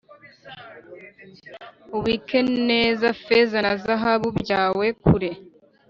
ubike neza feza na zahabu byawe kure